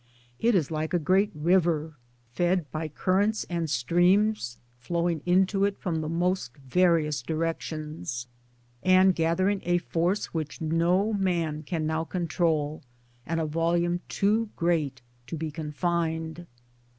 It is like a great river, fed by 248 MY DAYS AND. DREAMS currents and streams flowing into it from the most various directions and gathering a force which no man can nowi control and a volume too great to be confined.